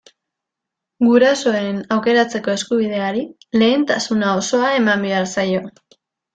Gurasoen aukeratzeko eskubideari lehentasuna osoa eman behar zaio.